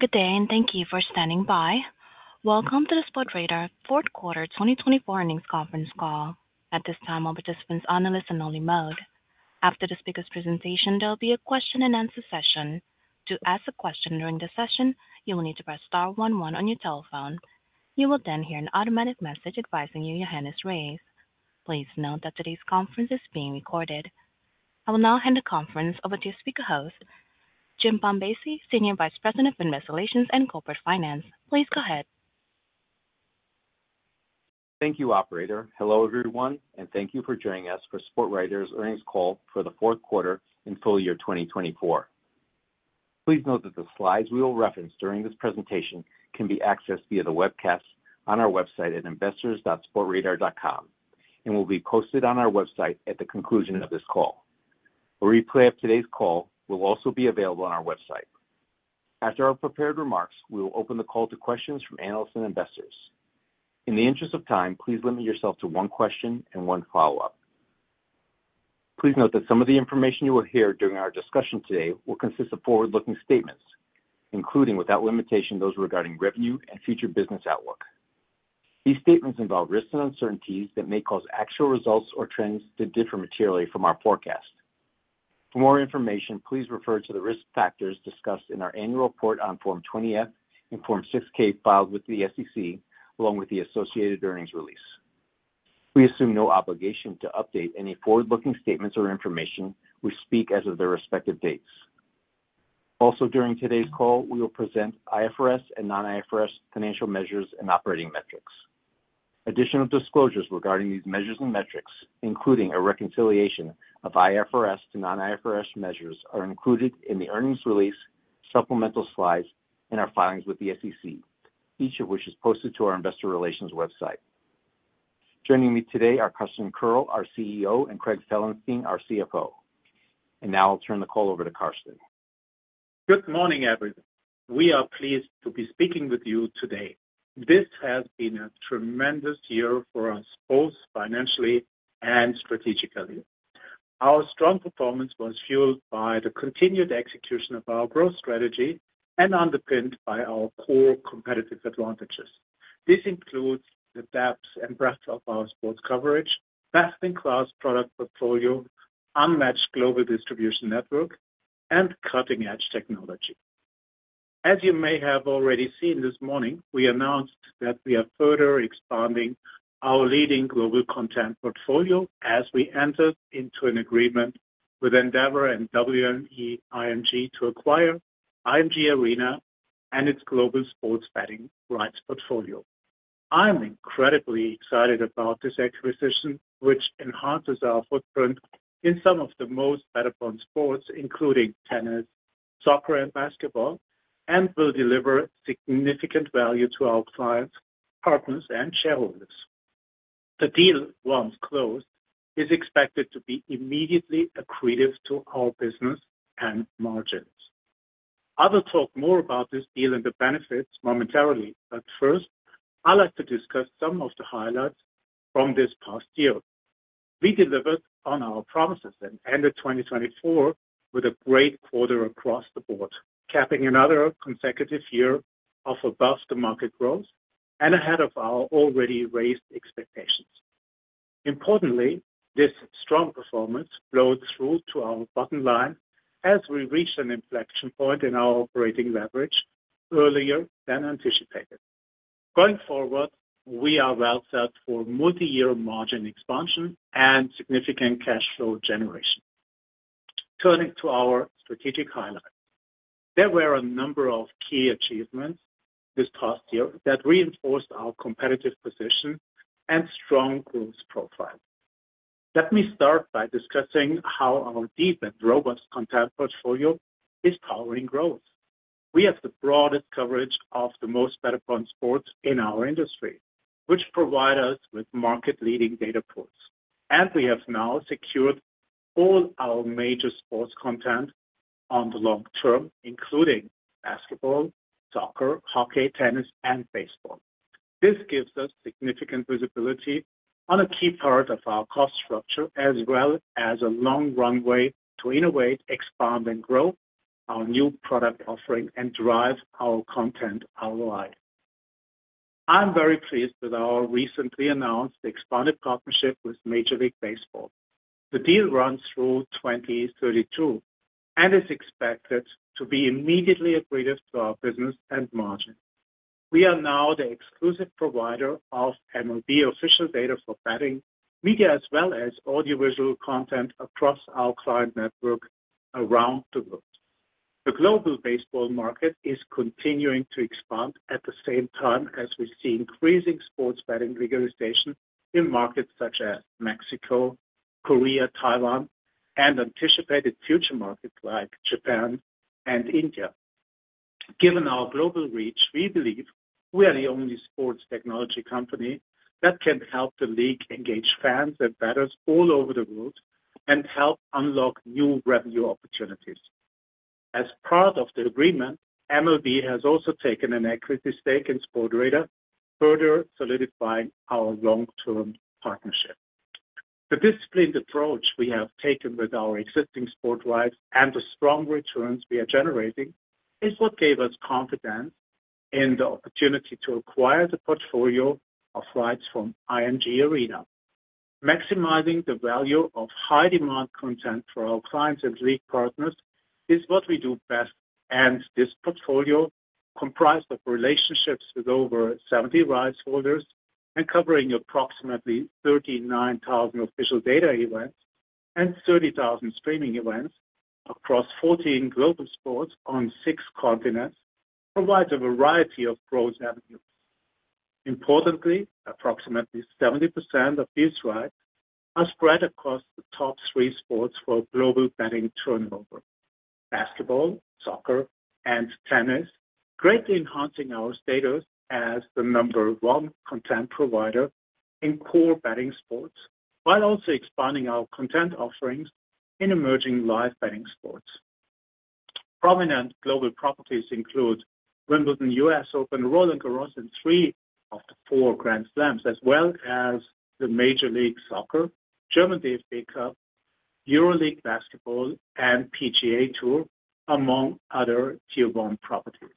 Good day, and thank you for standing by. Welcome to the Sportradar fourth quarter 2024 earnings conference call. At this time, all participants are on the listen-only mode. After the speaker's presentation, there will be a question-and-answer session. To ask a question during the session, you will need to press star one one on your telephone. You will then hear an automatic message advising you your hand is rais-ed. Please note that today's conference is being recorded. I will now hand the conference over to your speaker host, Jim Bombassei, Senior Vice President of Investor Relations and Corporate Finance. Please go ahead. Thank you, Operator. Hello, everyone, and thank you for joining us for Sportradar's earnings call for the fourth quarter and full year 2024. Please note that the slides we will reference during this presentation can be accessed via the webcast on our website at investors.sportradar.com and will be posted on our website at the conclusion of this call. A replay of today's call will also be available on our website. After our prepared remarks, we will open the call to questions from analysts and investors. In the interest of time, please limit yourself to one question and one follow-up. Please note that some of the information you will hear during our discussion today will consist of forward-looking statements, including without limitation those regarding revenue and future business outlook. These statements involve risks and uncertainties that may cause actual results or trends to differ materially from our forecast. For more information, please refer to the risk factors discussed in our annual report on Form 20-F and Form 6-K filed with the SEC, along with the associated earnings release. We assume no obligation to update any forward-looking statements or information we speak as of their respective dates. Also, during today's call, we will present IFRS and non-IFRS financial measures and operating metrics. Additional disclosures regarding these measures and metrics, including a reconciliation of IFRS to non-IFRS measures, are included in the earnings release, supplemental slides, and our filings with the SEC, each of which is posted to our Investor Relations website. Joining me today are Carsten Koerl, our CEO, and Craig Felenstein, our CFO. Now I'll turn the call over to Carsten. Good morning, everyone. We are pleased to be speaking with you today. This has been a tremendous year for us, both financially and strategically. Our strong performance was fueled by the continued execution of our growth strategy and underpinned by our core competitive advantages. This includes the depth and breadth of our sports coverage, best-in-class product portfolio, unmatched global distribution network, and cutting-edge technology. As you may have already seen this morning, we announced that we are further expanding our leading global content portfolio as we entered into an agreement with Endeavor and WME IMG to acquire IMG Arena and its global sports betting rights portfolio. I'm incredibly excited about this acquisition, which enhances our footprint in some of the most bettable sports, including tennis, soccer, and basketball, and will deliver significant value to our clients, partners, and shareholders. The deal, once closed, is expected to be immediately accretive to our business and margins. I will talk more about this deal and the benefits momentarily, but first, I'd like to discuss some of the highlights from this past year. We delivered on our promises and ended 2024 with a great quarter across the board, capping another consecutive year of above-the-market growth and ahead of our already raised expectations. Importantly, this strong performance flowed through to our bottom line as we reached an inflection point in our operating leverage earlier than anticipated. Going forward, we are well set for multi-year margin expansion and significant cash flow generation. Turning to our strategic highlights, there were a number of key achievements this past year that reinforced our competitive position and strong growth profile. Let me start by discussing how our deep and robust content portfolio is powering growth. We have the broadest coverage of the most bettable sports in our industry, which provide us with market-leading data pools. We have now secured all our major sports content on the long term, including basketball, soccer, hockey, tennis, and baseball. This gives us significant visibility on a key part of our cost structure, as well as a long-run way to innovate, expand, and grow our new product offering and drive our content ROI. I'm very pleased with our recently announced expanded partnership with Major League Baseball. The deal runs through 2032 and is expected to be immediately accretive to our business and margin. We are now the exclusive provider of MLB official data for betting, media, as well as audiovisual content across our client network around the world. The global baseball market is continuing to expand at the same time as we see increasing sports betting regularization in markets such as Mexico, Korea, Taiwan, and anticipated future markets like Japan and India. Given our global reach, we believe we are the only sports technology company that can help the league engage fans and bettors all over the world and help unlock new revenue opportunities. As part of the agreement, MLB has also taken an equity stake in Sportradar, further solidifying our long-term partnership. The disciplined approach we have taken with our existing sports rights and the strong returns we are generating is what gave us confidence in the opportunity to acquire the portfolio of rights from IMG Arena. Maximizing the value of high-demand content for our clients and league partners is what we do best. This portfolio comprised of relationships with over 70 rights holders and covering approximately 39,000 official data events and 30,000 streaming events across 14 global sports on six continents provides a variety of growth avenues. Importantly, approximately 70% of these rights are spread across the top three sports for global betting turnover: basketball, soccer, and tennis, greatly enhancing our status as the number one content provider in core betting sports while also expanding our content offerings in emerging live betting sports. Prominent global properties include Wimbledon, US Open, Roland Garros, and three of the four Grand Slams, as well as Major League Soccer, German DFB Cup, EuroLeague Basketball, and PGA Tour, among other tier-one properties.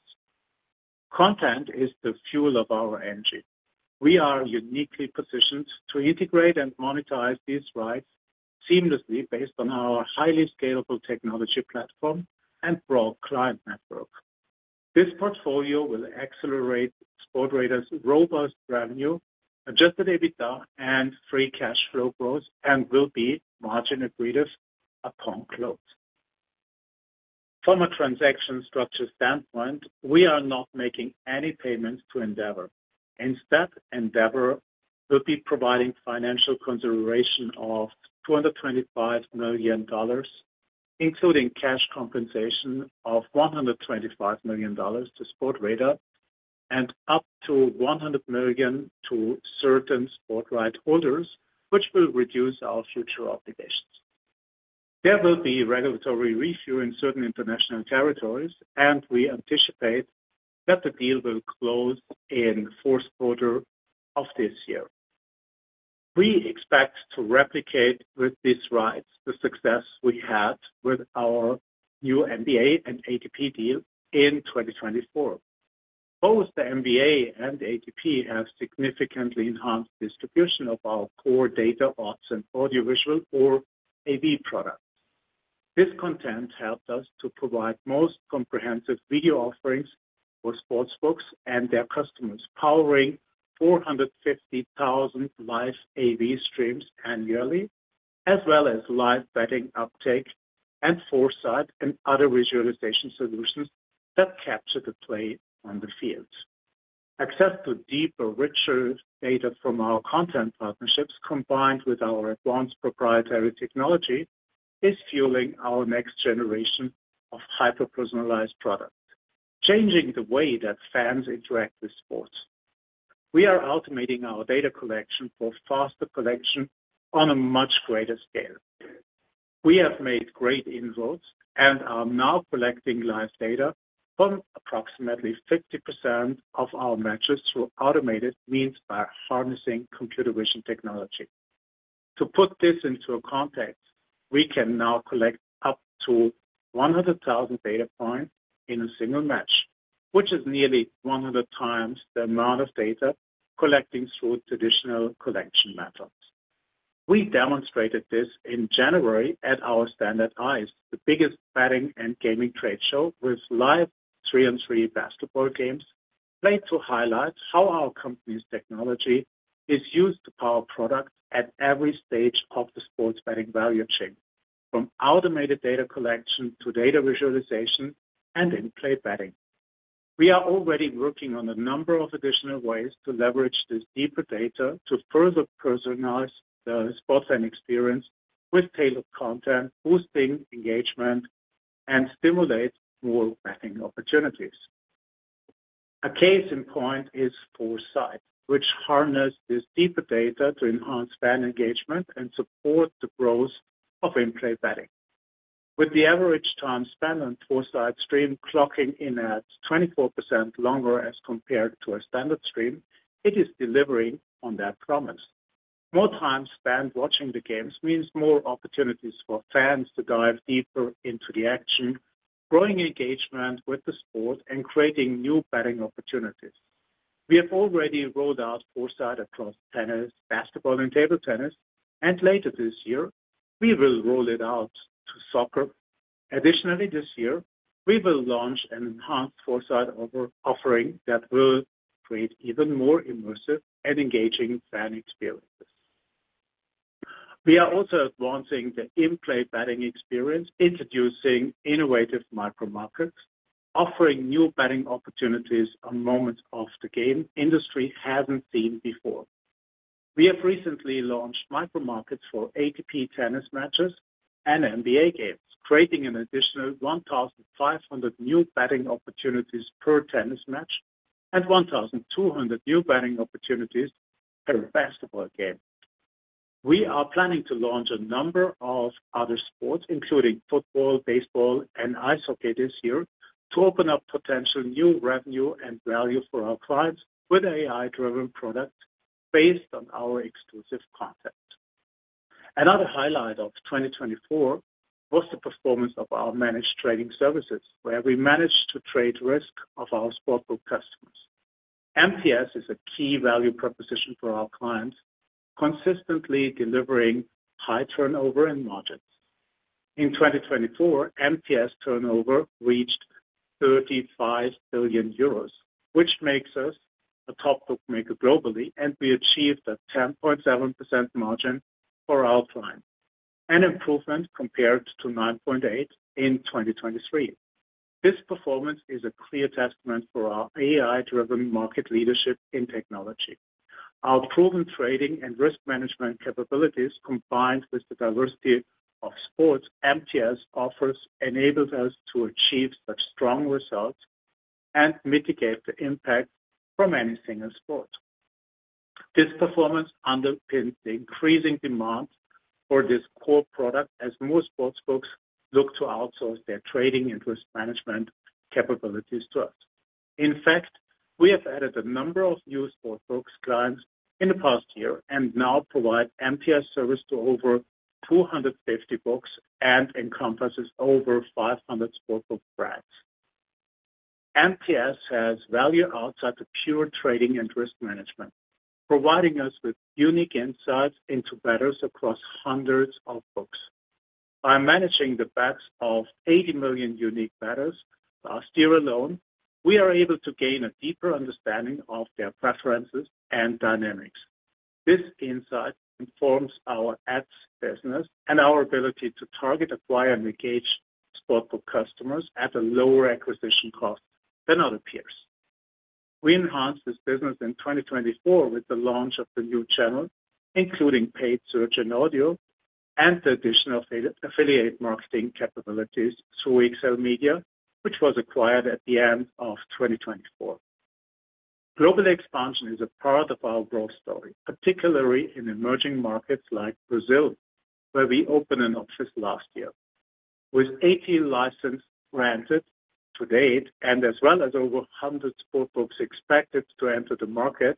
Content is the fuel of our energy. We are uniquely positioned to integrate and monetize these rights seamlessly based on our highly scalable technology platform and broad client network. This portfolio will accelerate Sportradar's robust revenue, adjusted EBITDA, and free cash flow growth, and will be margin-accretive upon close. From a transaction structure standpoint, we are not making any payments to Endeavor. Instead, Endeavor will be providing financial consideration of $225 million, including cash compensation of $125 million to Sportradar and up to $100 million to certain sports rights holders, which will reduce our future obligations. There will be regulatory review in certain international territories, and we anticipate that the deal will close in the fourth quarter of this year. We expect to replicate with these rights the success we had with our new NBA and ATP deal in 2024. Both the NBA and ATP have significantly enhanced distribution of our CoreData, Odds, and Audio-Visual or AV products. This content helped us to provide the most comprehensive video offerings for sportsbooks and their customers, powering 450,000 live AV streams annually, as well as live betting uptake and 4Sight and other visualization solutions that capture the play on the field. Access to deeper, richer data from our content partnerships, combined with our advanced proprietary technology, is fueling our next generation of hyper-personalized products, changing the way that fans interact with sports. We are automating our data collection for faster collection on a much greater scale. We have made great inroads and are now collecting live data from approximately 50% of our matches through automated means by harnessing computer vision technology. To put this into context, we can now collect up to 100,000 data points in a single match, which is nearly 100 times the amount of data collected through traditional collection methods. We demonstrated this in January at our stand at ICE, the biggest betting and gaming trade show, with live three-on-three basketball games played to highlight how our company's technology is used to power products at every stage of the sports betting value chain, from automated data collection to data visualization and in-play betting. We are already working on a number of additional ways to leverage this deeper data to further personalize the sports and experience with tailored content, boosting engagement, and stimulate more betting opportunities. A case in point is 4Sight, which harnesses this deeper data to enhance fan engagement and support the growth of in-play betting. With the average time spent on 4Sight stream clocking in at 24% longer as compared to a standard stream, it is delivering on that promise. More time spent watching the games means more opportunities for fans to dive deeper into the action, growing engagement with the sport, and creating new betting opportunities. We have already rolled out 4Sight across tennis, basketball, and table tennis, and later this year, we will roll it out to soccer. Additionally, this year, we will launch an enhanced 4Sight offering that will create even more immersive and engaging fan experiences. We are also advancing the in-play betting experience, introducing innovative micro-markets, offering new betting opportunities on moments of the game industry hasn't seen before. We have recently launched micro-markets for ATP tennis matches and NBA games, creating an additional 1,500 new betting opportunities per tennis match and 1,200 new betting opportunities per basketball game. We are planning to launch a number of other sports, including football, baseball, and ice hockey this year, to open up potential new revenue and value for our clients with AI-driven products based on our exclusive content. Another highlight of 2024 was the performance of our Managed Trading Services, where we managed to trade risk of our sportsbook customers. MTS is a key value proposition for our clients, consistently delivering high turnover and margins. In 2024, MTS turnover reached 35 billion euros, which makes us a top bookmaker globally, and we achieved a 10.7% margin for our clients, an improvement compared to 9.8% in 2023. This performance is a clear testament for our AI-driven market leadership in technology. Our proven trading and risk management capabilities, combined with the diversity of sports MTS offers, enabled us to achieve such strong results and mitigate the impact from any single sport. This performance underpins the increasing demand for this core product as more sportsbooks look to outsource their trading and risk management capabilities to us. In fact, we have added a number of new sportsbook clients in the past year and now provide MTS service to over 250 books and encompasses over 500 sportsbook brands. MTS has value outside the pure trading and risk management, providing us with unique insights into bettors across hundreds of books. By managing the bets of 80 million unique bettors last year alone, we are able to gain a deeper understanding of their preferences and dynamics. This insight informs our Ads Business and our ability to target, acquire, and engage sportsbook customers at a lower acquisition cost than other peers. We enhanced this business in 2024 with the launch of the new channel, including paid search and audio, and the additional affiliate marketing capabilities through XLMedia, which was acquired at the end of 2024. Global expansion is a part of our growth story, particularly in emerging markets like Brazil, where we opened an office last year. With 18 licenses granted to date as well as over 100 sportsbooks expected to enter the market,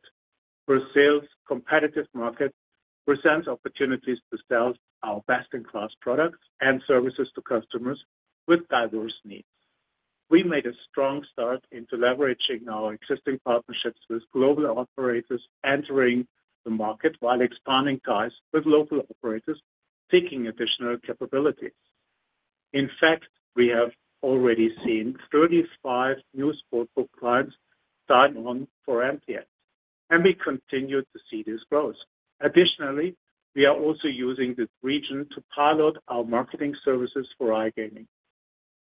Brazil's competitive market presents opportunities to sell our best-in-class products and services to customers with diverse needs. We made a strong start into leveraging our existing partnerships with global operators entering the market while expanding ties with local operators, seeking additional capabilities. In fact, we have already seen 35 new sportsbook clients sign on for MTS, and we continue to see this growth. Additionally, we are also using this region to pilot our marketing services for iGaming.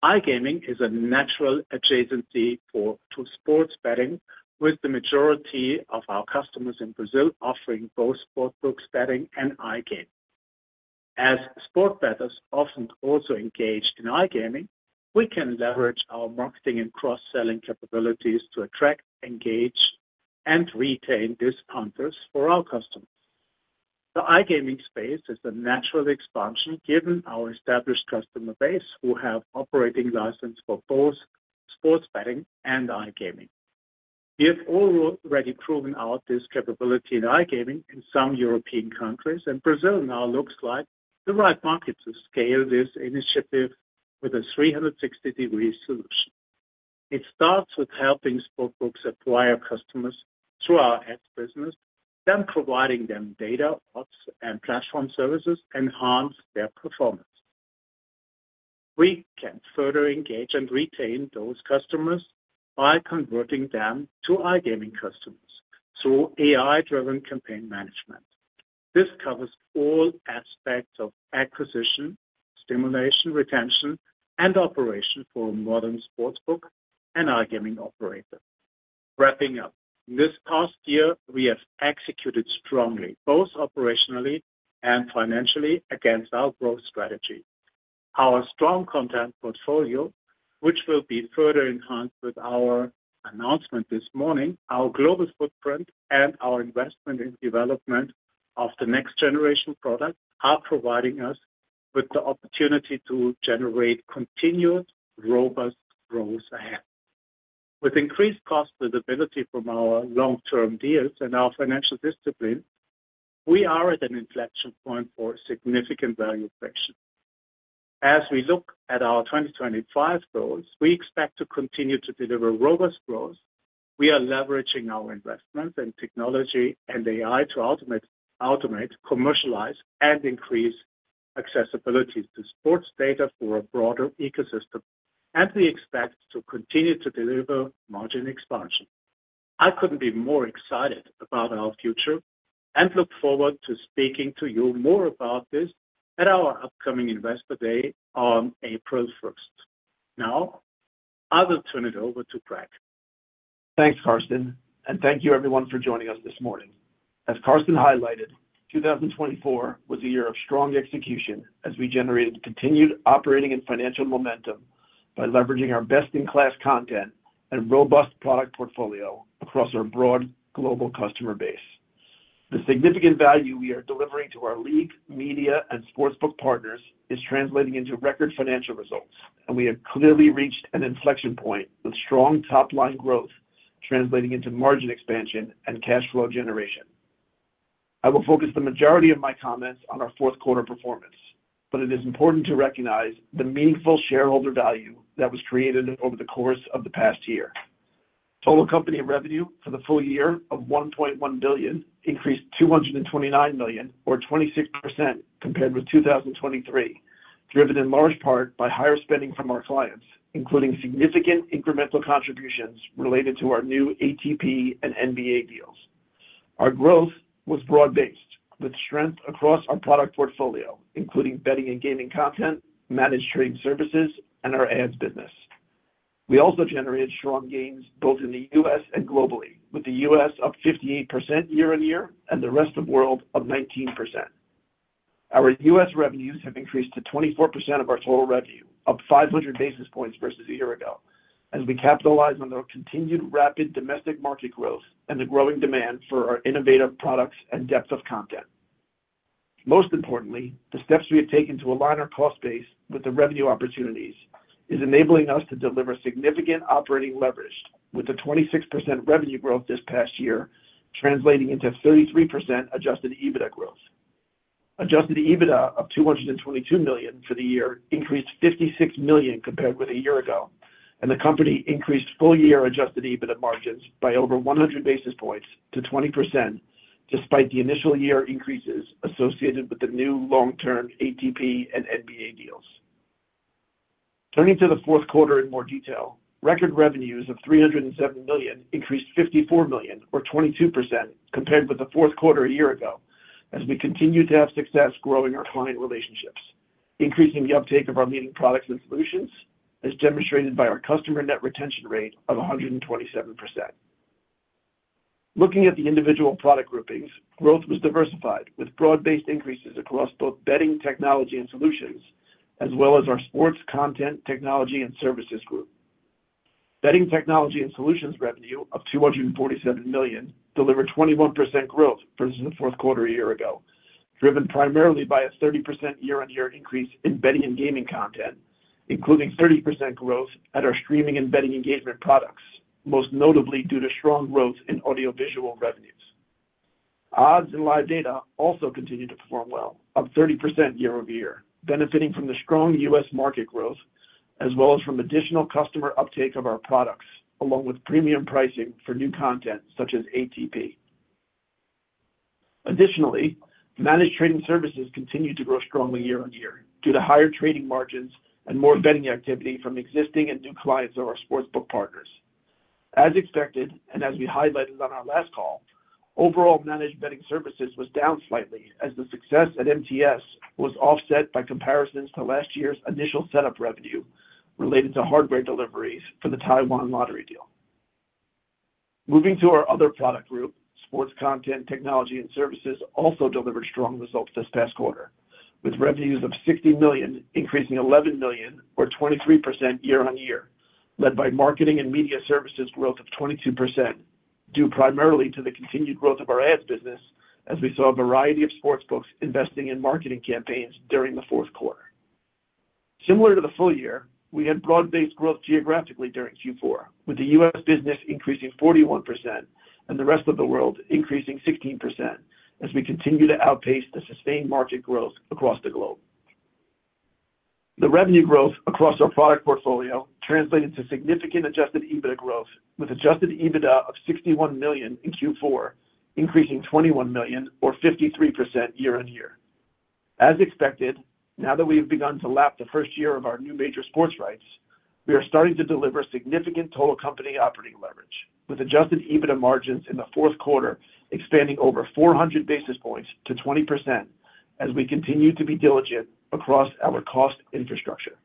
iGaming is a natural adjacency to sports betting, with the majority of our customers in Brazil offering both sports betting and iGaming. As sports bettors often also engage in iGaming, we can leverage our marketing and cross-selling capabilities to attract, engage, and retain these players for our customers. The iGaming space is a natural expansion given our established customer base who have operating licenses for both sports betting and iGaming. We have already proven out this capability in iGaming in some European countries, and Brazil now looks like the right market to scale this initiative with a 360-degree solution. It starts with helping sportsbooks acquire customers through our Ads Business, then providing them Data, Odds, and Platform Services to enhance their performance. We can further engage and retain those customers by converting them to iGaming customers through AI-driven campaign management. This covers all aspects of acquisition, stimulation, retention, and operation for a modern sportsbook and iGaming operator. Wrapping up, in this past year, we have executed strongly, both operationally and financially, against our growth strategy. Our strong content portfolio, which will be further enhanced with our announcement this morning, our global footprint, and our investment in the development of the next-generation products are providing us with the opportunity to generate continued, robust growth ahead. With increased cost visibility from our long-term deals and our financial discipline, we are at an inflection point for significant value creation. As we look at our 2025 goals, we expect to continue to deliver robust growth. We are leveraging our investments in technology and AI to automate, commercialize, and increase accessibility to sports data for a broader ecosystem, and we expect to continue to deliver margin expansion. I could not be more excited about our future and look forward to speaking to you more about this at our upcoming Investor Day on April 1. Now, I will turn it over to Craig. Thanks, Carsten, and thank you, everyone, for joining us this morning. As Carsten highlighted, 2024 was a year of strong execution as we generated continued operating and financial momentum by leveraging our best-in-class content and robust product portfolio across our broad global customer base. The significant value we are delivering to our league, media, and sportsbook partners is translating into record financial results, and we have clearly reached an inflection point with strong top-line growth translating into margin expansion and cash flow generation. I will focus the majority of my comments on our fourth quarter performance, but it is important to recognize the meaningful shareholder value that was created over the course of the past year. Total company revenue for the full year of $1.1 billion increased $229 million, or 26%, compared with 2023, driven in large part by higher spending from our clients, including significant incremental contributions related to our new ATP and NBA deals. Our growth was broad-based, with strength across our product portfolio, including Betting & Gaming Content, Managed Trading Services, and our Ads Business. We also generated strong gains both in the U.S. and globally, with the U.S. up 58% year-on-year and the rest of the world up 19%. Our US revenues have increased to 24% of our total revenue, up 500 basis points versus a year ago, as we capitalize on the continued rapid domestic market growth and the growing demand for our innovative products and depth of content. Most importantly, the steps we have taken to align our cost base with the revenue opportunities are enabling us to deliver significant operating leverage, with the 26% revenue growth this past year translating into 33% adjusted EBITDA growth. Adjusted EBITDA of $222 million for the year increased $56 million compared with a year ago, and the company increased full-year adjusted EBITDA margins by over 100 basis points to 20%, despite the initial year increases associated with the new long-term ATP and NBA deals. Turning to the fourth quarter in more detail, record revenues of $307 million increased $54 million, or 22%, compared with the fourth quarter a year ago, as we continue to have success growing our client relationships, increasing the uptake of our leading products and solutions, as demonstrated by our customer net retention rate of 127%. Looking at the individual product groupings, growth was diversified, with broad-based increases across both Betting Technology & Solutions, as well as our Sports Content, Technology & Services group. Betting Technology & Solutions revenue of $247 million delivered 21% growth versus the fourth quarter a year ago, driven primarily by a 30% year-on-year increase in Betting & Gaming Content, including 30% growth at our streaming and betting engagement products, most notably due to strong growth in audio-visual revenues. Odds and live data also continue to perform well, up 30% year-over-year, benefiting from the strong US market growth, as well as from additional customer uptake of our products, along with premium pricing for new content such as ATP. Additionally, Managed Trading Services continue to grow strongly year-on-year due to higher trading margins and more betting activity from existing and new clients of our sportsbook partners. As expected, and as we highlighted on our last call, overall Managed Betting Services was down slightly, as the success at MTS was offset by comparisons to last year's initial setup revenue related to hardware deliveries for the Taiwan Lottery deal. Moving to our other product group, Sports Content, Technology & Services also delivered strong results this past quarter, with revenues of $60 million increasing $11 million, or 23% year-on-year, led by Marketing & Media Services growth of 22%, due primarily to the continued growth of our Ads Business, as we saw a variety of sportsbooks investing in marketing campaigns during the fourth quarter. Similar to the full year, we had broad-based growth geographically during Q4, with the U.S. business increasing 41% and the rest of the world increasing 16%, as we continue to outpace the sustained market growth across the globe. The revenue growth across our product portfolio translated to significant adjusted EBITDA growth, with adjusted EBITDA of $61 million in Q4 increasing $21 million, or 53% year-on-year. As expected, now that we have begun to lap the first year of our new major sports rights, we are starting to deliver significant total company operating leverage, with adjusted EBITDA margins in the fourth quarter expanding over 400 basis points to 20%, as we continue to be diligent across our cost infrastructure.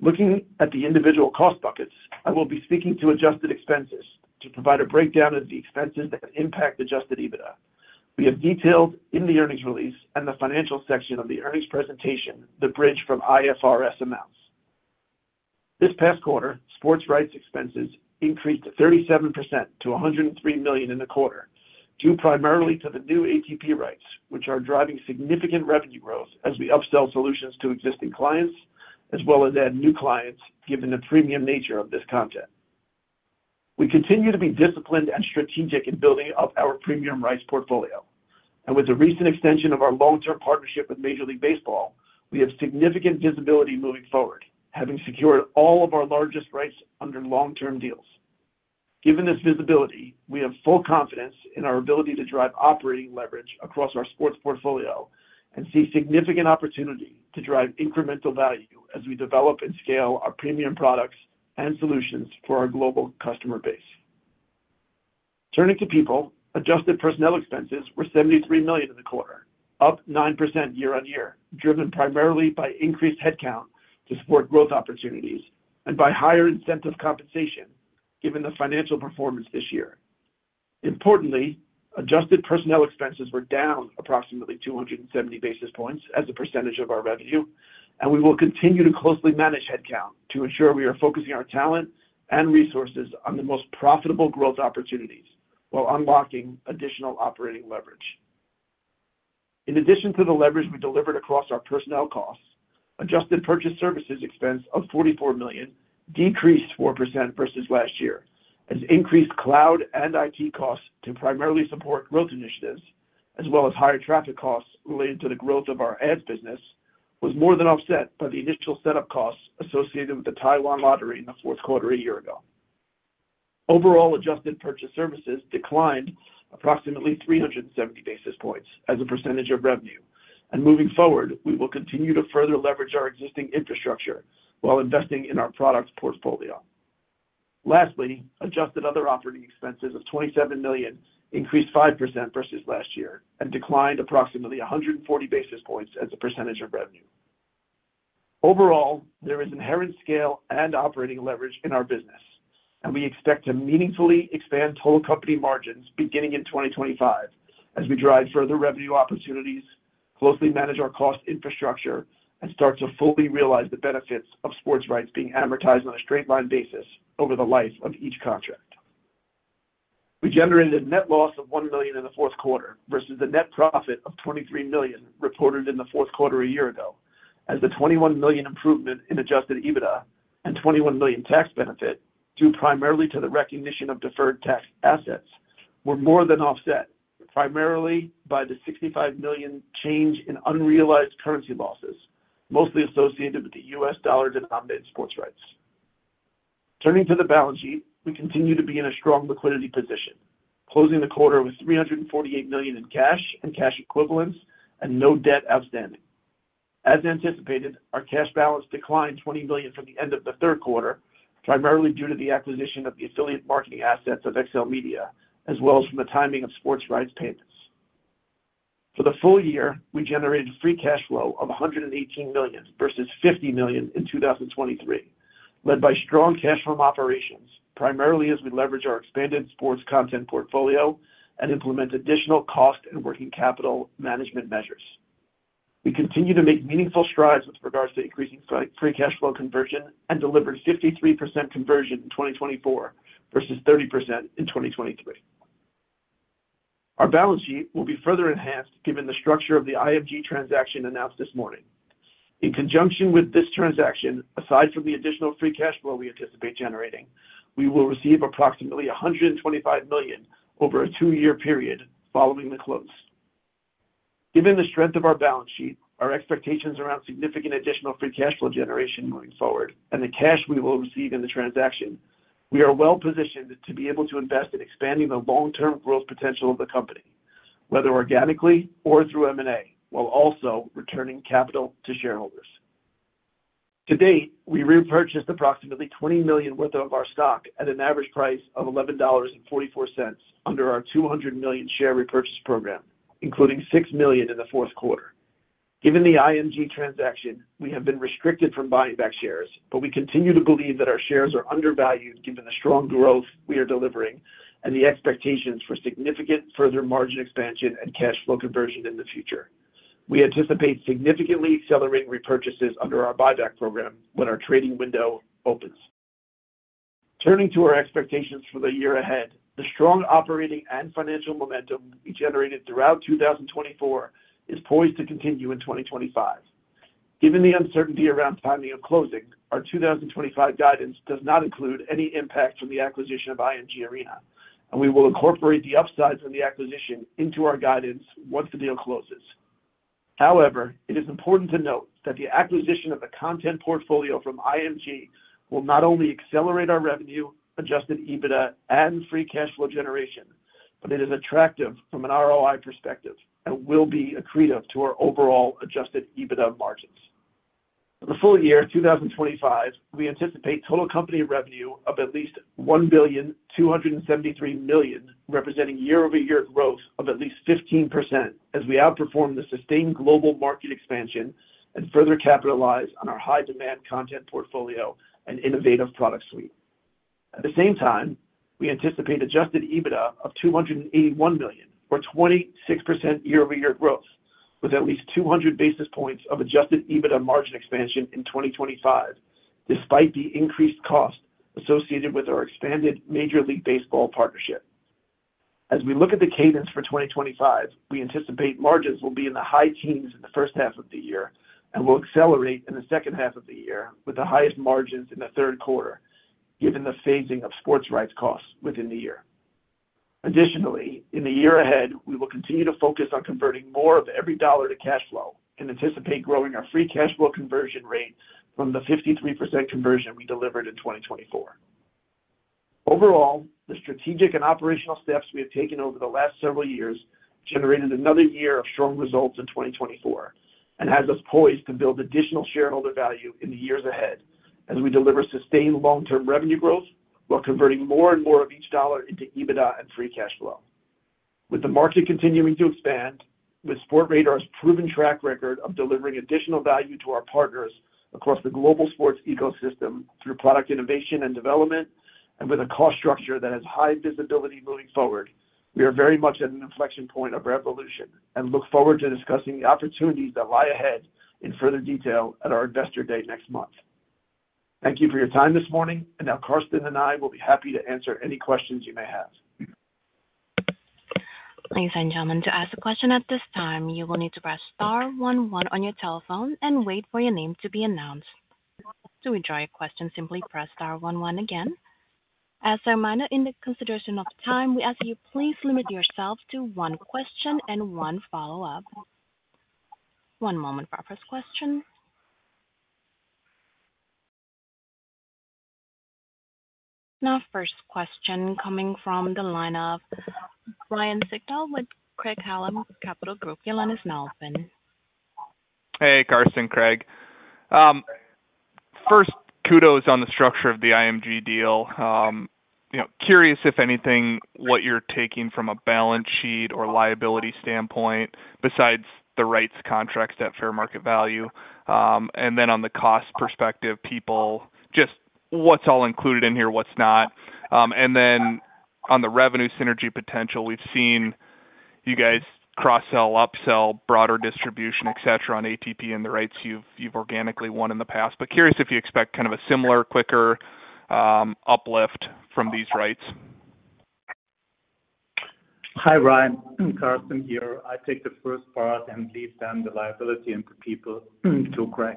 Looking at the individual cost buckets, I will be speaking to adjusted expenses to provide a breakdown of the expenses that impact adjusted EBITDA. We have detailed in the earnings release and the financial section of the earnings presentation the bridge from IFRS amounts. This past quarter, sports rights expenses increased 37% to $103 million in the quarter, due primarily to the new ATP rights, which are driving significant revenue growth as we upsell solutions to existing clients, as well as add new clients given the premium nature of this content. We continue to be disciplined and strategic in building up our premium rights portfolio, and with the recent extension of our long-term partnership with Major League Baseball, we have significant visibility moving forward, having secured all of our largest rights under long-term deals. Given this visibility, we have full confidence in our ability to drive operating leverage across our sports portfolio and see significant opportunity to drive incremental value as we develop and scale our premium products and solutions for our global customer base. Turning to people, adjusted personnel expenses were $73 million in the quarter, up 9% year-on-year, driven primarily by increased headcount to support growth opportunities and by higher incentive compensation given the financial performance this year. Importantly, adjusted personnel expenses were down approximately 270 basis points as a percentage of our revenue, and we will continue to closely manage headcount to ensure we are focusing our talent and resources on the most profitable growth opportunities while unlocking additional operating leverage. In addition to the leverage we delivered across our personnel costs, adjusted purchase services expense of $44 million decreased 4% versus last year, as increased cloud and IT costs to primarily support growth initiatives, as well as higher traffic costs related to the growth of our Ads Business, was more than offset by the initial setup costs associated with the Taiwan Lottery in the fourth quarter a year ago. Overall, adjusted purchase services declined approximately 370 basis points as a percentage of revenue, and moving forward, we will continue to further leverage our existing infrastructure while investing in our product portfolio. Lastly, adjusted other operating expenses of $27 million increased 5% versus last year and declined approximately 140 basis points as a percentage of revenue. Overall, there is inherent scale and operating leverage in our business, and we expect to meaningfully expand total company margins beginning in 2025 as we drive further revenue opportunities, closely manage our cost infrastructure, and start to fully realize the benefits of sports rights being amortized on a straight-line basis over the life of each contract. We generated a net loss of $1 million in the fourth quarter versus the net profit of $23 million reported in the fourth quarter a year ago, as the $21 million improvement in adjusted EBITDA and $21 million tax benefit, due primarily to the recognition of deferred tax assets, were more than offset, primarily by the $65 million change in unrealized currency losses, mostly associated with the US dollar-denominated sports rights. Turning to the balance sheet, we continue to be in a strong liquidity position, closing the quarter with $348 million in cash and cash equivalents and no debt outstanding. As anticipated, our cash balance declined $20 million from the end of the third quarter, primarily due to the acquisition of the affiliate marketing assets of XLMedia, as well as from the timing of sports rights payments. For the full year, we generated free cash flow of $118 million versus $50 million in 2023, led by strong cash from operations, primarily as we leverage our expanded sports content portfolio and implement additional cost and working capital management measures. We continue to make meaningful strides with regards to increasing free cash flow conversion and delivered 53% conversion in 2024 versus 30% in 2023. Our balance sheet will be further enhanced given the structure of the IMG Arena transaction announced this morning. In conjunction with this transaction, aside from the additional free cash flow we anticipate generating, we will receive approximately $125 million over a two-year period following the close. Given the strength of our balance sheet, our expectations around significant additional free cash flow generation moving forward, and the cash we will receive in the transaction, we are well-positioned to be able to invest in expanding the long-term growth potential of the company, whether organically or through M&A, while also returning capital to shareholders. To date, we repurchased approximately $20 million worth of our stock at an average price of $11.44 under our $200 million share repurchase program, including $6 million in the fourth quarter. Given the IMG Arena transaction, we have been restricted from buying back shares, but we continue to believe that our shares are undervalued given the strong growth we are delivering and the expectations for significant further margin expansion and cash flow conversion in the future. We anticipate significantly accelerating repurchases under our buyback program when our trading window opens. Turning to our expectations for the year ahead, the strong operating and financial momentum we generated throughout 2024 is poised to continue in 2025. Given the uncertainty around timing of closing, our 2025 guidance does not include any impact from the acquisition of IMG Arena, and we will incorporate the upsides from the acquisition into our guidance once the deal closes. However, it is important to note that the acquisition of the content portfolio from IMG will not only accelerate our revenue, adjusted EBITDA, and free cash flow generation, but it is attractive from an ROI perspective and will be accretive to our overall adjusted EBITDA margins. For the full year 2025, we anticipate total company revenue of at least $1,273 million, representing year-over-year growth of at least 15%, as we outperform the sustained global market expansion and further capitalize on our high-demand content portfolio and innovative product suite. At the same time, we anticipate adjusted EBITDA of $281 million, or 26% year-over-year growth, with at least 200 basis points of adjusted EBITDA margin expansion in 2025, despite the increased cost associated with our expanded Major League Baseball partnership. As we look at the cadence for 2025, we anticipate margins will be in the high teens in the first half of the year and will accelerate in the second half of the year, with the highest margins in the third quarter, given the phasing of sports rights costs within the year. Additionally, in the year ahead, we will continue to focus on converting more of every dollar to cash flow and anticipate growing our free cash flow conversion rate from the 53% conversion we delivered in 2024. Overall, the strategic and operational steps we have taken over the last several years generated another year of strong results in 2024 and has us poised to build additional shareholder value in the years ahead as we deliver sustained long-term revenue growth while converting more and more of each dollar into EBITDA and free cash flow. With the market continuing to expand, with Sportradar's proven track record of delivering additional value to our partners across the global sports ecosystem through product innovation and development, and with a cost structure that has high visibility moving forward, we are very much at an inflection point of revolution and look forward to discussing the opportunities that lie ahead in further detail at our investor day next month. Thank you for your time this morning, and now Carsten and I will be happy to answer any questions you may have. Please find a gentleman to ask the question at this time. You will need to press star 11 on your telephone and wait for your name to be announced. To withdraw your question, simply press star 11 again. As a reminder in the consideration of time, we ask you please limit yourself to one question and one follow-up. One moment for our first question. Now, first question coming from the line of Ryan Sigdahl with Craig-Hallum Capital Group, Your line is now open. Hey, Carsten and Craig. First, kudos on the structure of the IMG Arena deal. Curious, if anything, what you're taking from a balance sheet or liability standpoint besides the rights contracts at fair market value. And then on the cost perspective, people, just what's all included in here, what's not. On the revenue synergy potential, we've seen you guys cross-sell, upsell, broader distribution, et cetera, on ATP and the rights you've organically won in the past. Curious if you expect kind of a similar, quicker uplift from these rights. Hi, Ryan. Carsten here. I take the first part and leave then the liability and the people to Craig.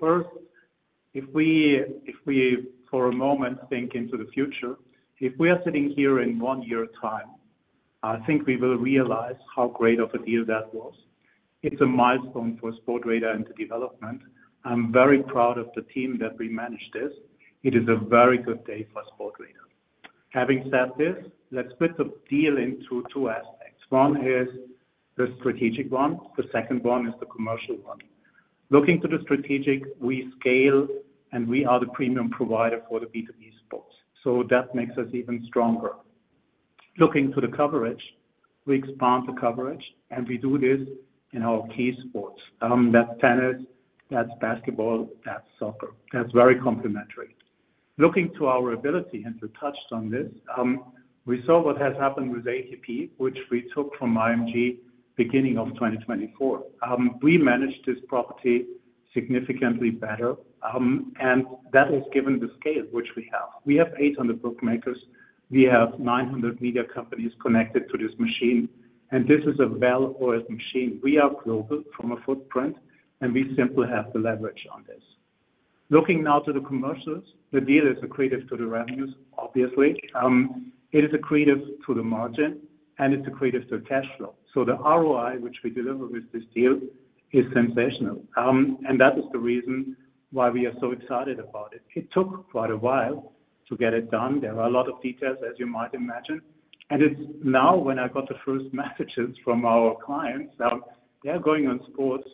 First, if we for a moment think into the future, if we are sitting here in one year's time, I think we will realize how great of a deal that was. It's a milestone for Sportradar and the development. I'm very proud of the team that we managed this. It is a very good day for Sportradar. Having said this, let's split the deal into two aspects. One is the strategic one. The second one is the commercial one. Looking to the strategic, we scale and we are the premium provider for the B2B sports. That makes us even stronger. Looking to the coverage, we expand the coverage and we do this in our key sports. That is tennis, that is basketball, that is soccer. That is very complementary. Looking to our ability, and you touched on this, we saw what has happened with ATP, which we took from IMG beginning of 2024. We managed this property significantly better, and that has given the scale which we have. We have 800 bookmakers. We have 900 media companies connected to this machine, and this is a well-oiled machine. We are global from a footprint, and we simply have the leverage on this. Looking now to the commercials, the deal is accretive to the revenues, obviously. It is accretive to the margin, and it is accretive to cash flow. The ROI, which we deliver with this deal, is sensational, and that is the reason why we are so excited about it. It took quite a while to get it done. There are a lot of details, as you might imagine. It is now when I got the first messages from our clients. They are going on sports,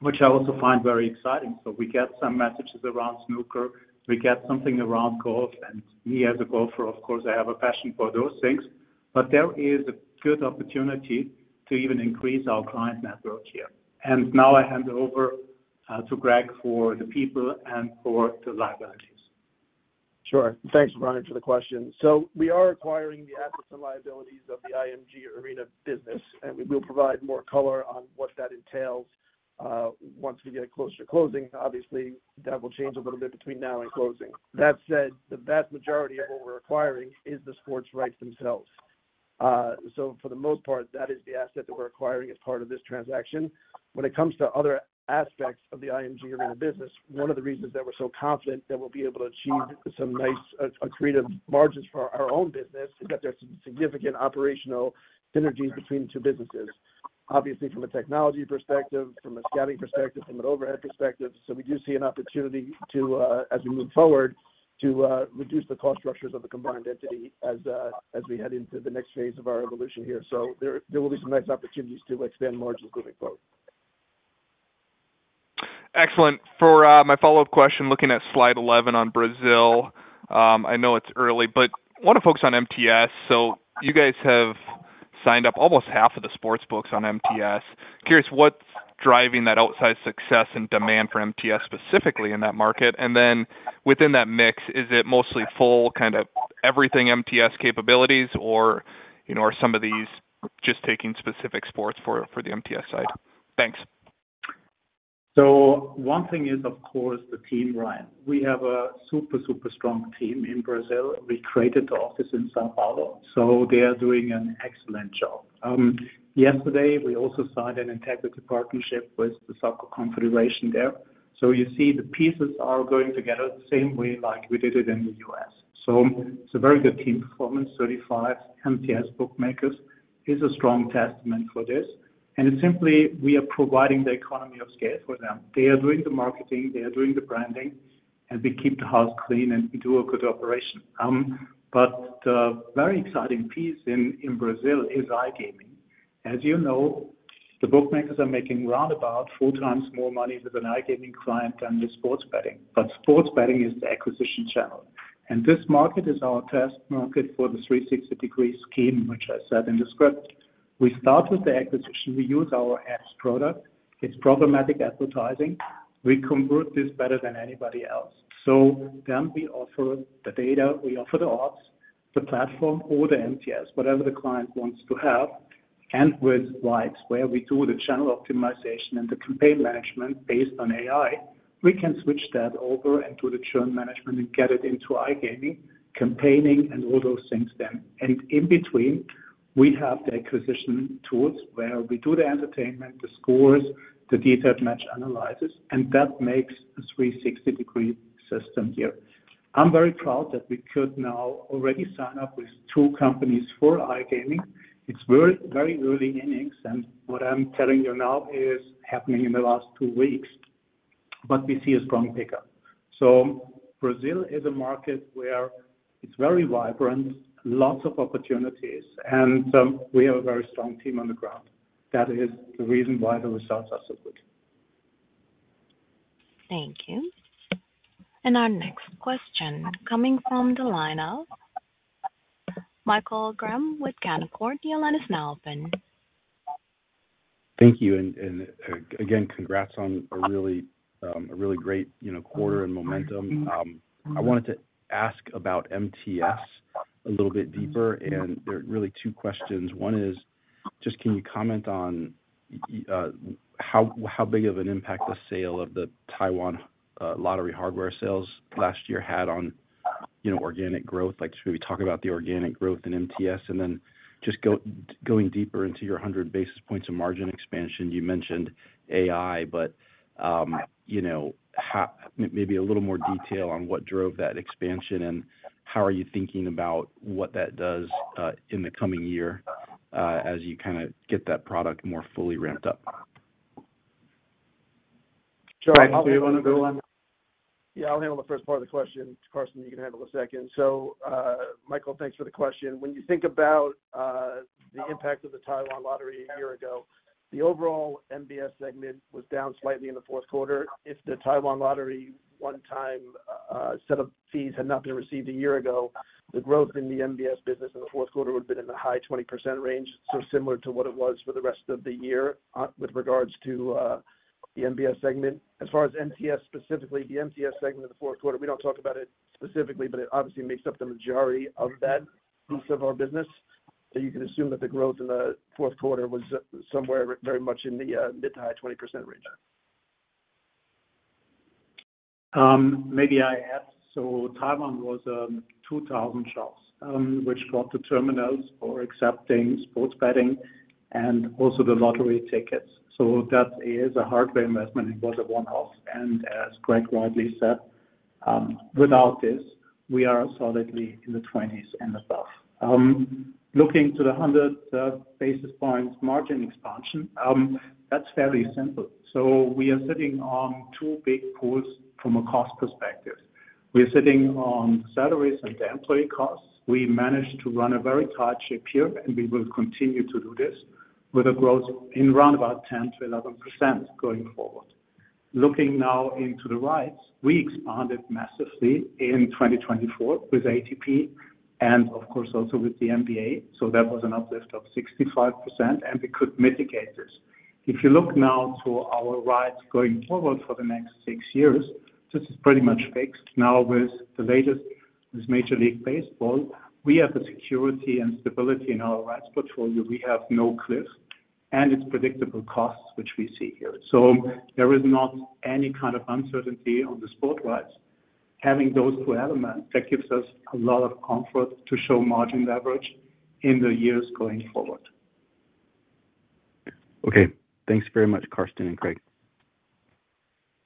which I also find very exciting. We get some messages around snooker. We get something around golf, and me as a golfer, of course, I have a passion for those things. There is a good opportunity to even increase our client network here. I hand over to Craig for the people and for the liabilities. Sure. Thanks, Ryan, for the question. We are acquiring the assets and liabilities of the IMG Arena business, and we will provide more color on what that entails once we get closer to closing. Obviously, that will change a little bit between now and closing. That said, the vast majority of what we're acquiring is the sports rights themselves. For the most part, that is the asset that we're acquiring as part of this transaction. When it comes to other aspects of the IMG Arena business, one of the reasons that we're so confident that we'll be able to achieve some nice accretive margins for our own business is that there's some significant operational synergies between the two businesses, obviously from a technology perspective, from a scanning perspective, from an overhead perspective. We do see an opportunity to, as we move forward, reduce the cost structures of the combined entity as we head into the next phase of our evolution here. There will be some nice opportunities to expand margins moving forward. Excellent. For my follow-up question, looking at slide 11 on Brazil, I know it's early, but I want to focus on MTS. You guys have signed up almost half of the sportsbooks on MTS. Curious what's driving that outsized success and demand for MTS specifically in that market. Within that mix, is it mostly full kind of everything MTS capabilities, or are some of these just taking specific sports for the MTS side? Thanks. One thing is, of course, the team, Ryan. We have a super, super strong team in Brazil. We created the office in São Paulo, so they are doing an excellent job. Yesterday, we also signed an integrity partnership with the Soccer Confederation there. You see the pieces are going together the same way like we did it in the US. It is a very good team performance. Thirty-five MTS bookmakers is a strong testament for this. It is simply we are providing the economy of scale for them. They are doing the marketing. They are doing the branding, and we keep the house clean and do a good operation. The very exciting piece in Brazil is iGaming. As you know, the bookmakers are making roundabout four times more money with an iGaming client than the sports betting. Sports betting is the acquisition channel. This market is our test market for the 360-degree scheme, which I said in the script. We start with the acquisition. We use our ads product. It's programmatic advertising. We convert this better than anybody else. We offer the data. We offer the odds, the platform, or the MTS, whatever the client wants to have. With VAIX, where we do the channel optimization and the campaign management based on AI, we can switch that over and do the churn management and get it into iGaming, campaigning, and all those things then. In between, we have the acquisition tools where we do the entertainment, the scores, the detailed match analysis, and that makes a 360-degree system here. I'm very proud that we could now already sign up with two companies for iGaming. It's very early innings, and what I'm telling you now is happening in the last two weeks, but we see a strong pickup. Brazil is a market where it's very vibrant, lots of opportunities, and we have a very strong team on the ground. That is the reason why the results are so good. Thank you. Our next question coming from the line of Michael Graham with Canaccord, Your line is now open. Thank you. Again, congrats on a really great quarter and momentum. I wanted to ask about MTS a little bit deeper, and there are really two questions. One is just, can you comment on how big of an impact the sale of the Taiwan Lottery hardware sales last year had on organic growth? Like should we talk about the organic growth in MTS? Just going deeper into your 100 basis points of margin expansion, you mentioned AI, but maybe a little more detail on what drove that expansion and how are you thinking about what that does in the coming year as you kind of get that product more fully ramped up? Sure. Do you want to go on? Yeah, I'll handle the first part of the question. Carsten, you can handle the second. So Michael, thanks for the question. When you think about the impact of the Taiwan Lottery a year ago, the overall MBS segment was down slightly in the fourth quarter. If the Taiwan Lottery one-time set of fees had not been received a year ago, the growth in the MBS business in the fourth quarter would have been in the high 20% range, so similar to what it was for the rest of the year with regards to the MBS segment. As far as MTS specifically, the MTS segment of the fourth quarter, we do not talk about it specifically, but it obviously makes up the majority of that piece of our business. You can assume that the growth in the fourth quarter was somewhere very much in the mid to high 20% range. Maybe I add, Taiwan was 2,000 shops, which got the terminals for accepting sports betting and also the lottery tickets. That is a hardware investment. It was a one-off. As Craig rightly said, without this, we are solidly in the 20s and above. Looking to the 100 basis points margin expansion, that's fairly simple. We are sitting on two big pools from a cost perspective. We are sitting on salaries and employee costs. We managed to run a very tight ship here, and we will continue to do this with a growth in around about 10%-11% going forward. Looking now into the rights, we expanded massively in 2024 with ATP and, of course, also with the NBA. That was an uplift of 65%, and we could mitigate this. If you look now to our rights going forward for the next six years, this is pretty much fixed. Now, with the latest, this Major League Baseball, we have the security and stability in our rights portfolio. We have no cliff, and it's predictable costs, which we see here. There is not any kind of uncertainty on the sport rights. Having those two elements, that gives us a lot of comfort to show margin leverage in the years going forward. Okay. Thanks very much, Carsten and Craig.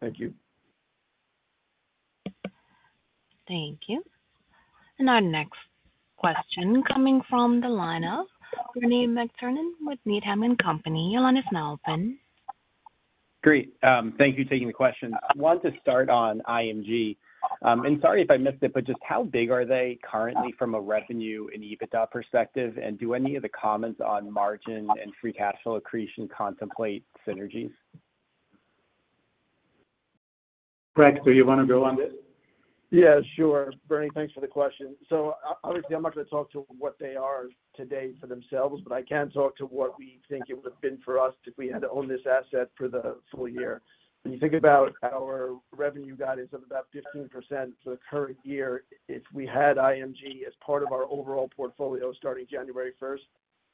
Thank you. Thank you. Our next question coming from the line of Bernie McTernan with Needham and Company, your line is now open. Great. Thank you for taking the question. I want to start on IMG. Sorry if I missed it, but just how big are they currently from a revenue and EBITDA perspective? Do any of the comments on margin and free cash flow accretion contemplate synergies? Craig, do you want to go on this? Yeah, sure. Bernie, thanks for the question. Obviously, I'm not going to talk to what they are today for themselves, but I can talk to what we think it would have been for us if we had to own this asset for the full year. When you think about our revenue guidance of about 15% for the current year, if we had IMG Arena as part of our overall portfolio starting January 1,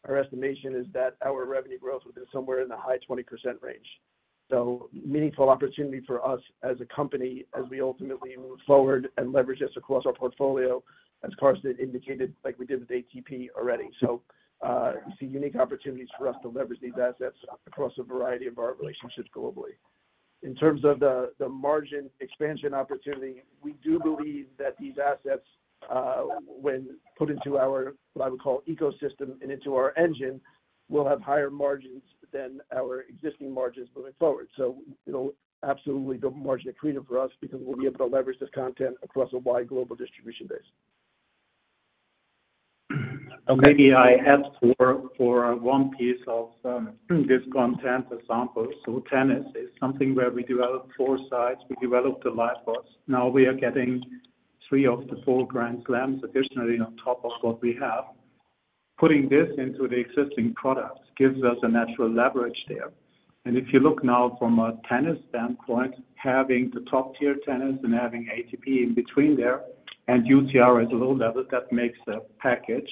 our estimation is that our revenue growth would have been somewhere in the high 20% range. Meaningful opportunity for us as a company as we ultimately move forward and leverage this across our portfolio, as Carsten indicated, like we did with ATP already. We see unique opportunities for us to leverage these assets across a variety of our relationships globally. In terms of the margin expansion opportunity, we do believe that these assets, when put into our what I would call ecosystem and into our engine, will have higher margins than our existing margins moving forward. It will absolutely be margin accretive for us because we will be able to leverage this content across a wide global distribution base. Maybe I add for one piece of this content example. Tennis is something where we developed 4Sight. We developed the Live Odds. Now we are getting three of the four Grand Slams additionally on top of what we have. Putting this into the existing product gives us a natural leverage there. If you look now from a tennis standpoint, having the top-tier tennis and having ATP in between there and UTR as a low level, that makes a package